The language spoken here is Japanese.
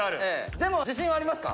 でも自信はありますか？